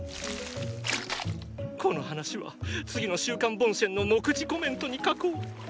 この話は次の「週刊ボンシェン」の目次コメントに書こう。